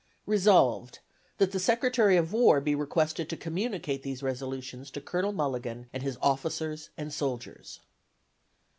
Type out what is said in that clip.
Resolved, That the Secretary of War be requested to communicate these resolutions to Colonel Mulligan and his officers and soldiers.